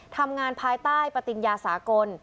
ทำงานภายใต้ปฏิญญาสากล